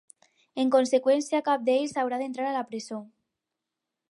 En conseqüència, cap d’ells haurà d’entrar a la presó.